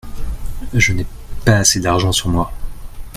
Je n’ai pas assez d’argent sur moi.